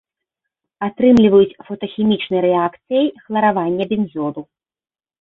Атрымліваюць фотахімічнай рэакцыяй хларавання бензолу.